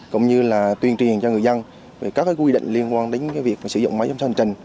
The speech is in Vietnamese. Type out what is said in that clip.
cũng như là tuyên truyền cho người dân về các quy định liên quan đến việc sử dụng máy giám sát hành trình